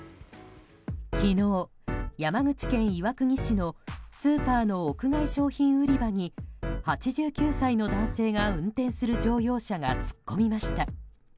昨日、山口県岩国市のスーパーの屋外商品売り場に８９歳の男性が運転する乗用車が突っ込みました。